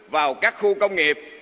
vào các khu công nghiệp